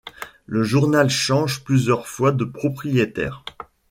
Le journal change plusieurs fois de propriétaire.